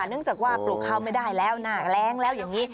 เนื่องจากว่าปลูกข้าวไม่ได้แล้วหน้าแรงแล้วอย่างนี้